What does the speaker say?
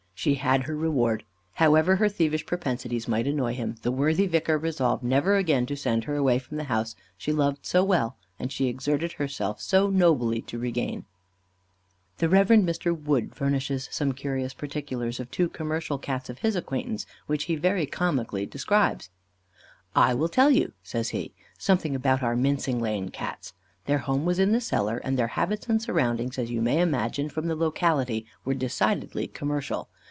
She had her reward; however her thievish propensities might annoy him, the worthy vicar resolved never again to send her away from the house she loved so well, and exerted herself so nobly to regain. The Rev. Mr. Wood furnishes some curious particulars of two commercial Cats of his acquaintance, which he very comically describes: "I will tell you," says he, "something about our Mincing Lane Cats. Their home was in the cellar, and their habits and surroundings, as you may imagine, from the locality, were decidedly commercial.